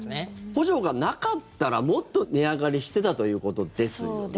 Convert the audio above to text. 補助がなかったらもっと値上がりしてたということですよね？